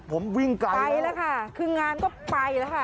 ผมวิ่งกลับไปแล้วค่ะคืองานก็ไปแล้วค่ะ